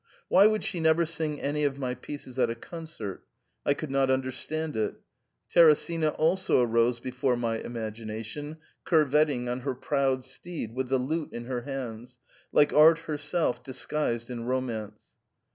Why would she never sing any of my pieces at a concert ? I could not understand it. Teresina also arose before my imagination curvetting on her proud steed with the lute in her hands, like Art herself disguised in romance.